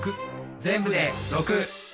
全部で６。